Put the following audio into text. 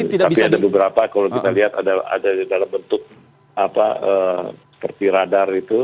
tapi ada beberapa kalau kita lihat ada dalam bentuk seperti radar itu